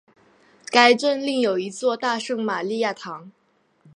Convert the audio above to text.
该镇另有一座大圣马利亚堂。